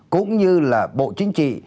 cũng như là bộ chính trị